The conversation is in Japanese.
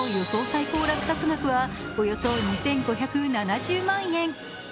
最高落札額はおよそ２５７０万円。